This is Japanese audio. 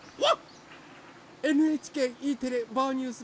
ＮＨＫＥテレ「ばあっ！ニュース」